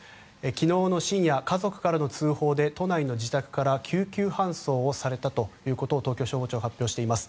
昨日の深夜、家族からの通報で都内の自宅から救急搬送をされたということを東京消防庁が発表しています。